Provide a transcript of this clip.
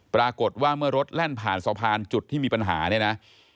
ปรากฏว่าเมื่อรถแล่นผ่านสะพานจุดที่มีปัญหาเนี่ยนะ